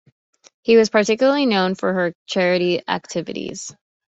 She was particularly known for her charity activities.